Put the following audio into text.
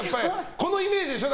このイメージでしょ？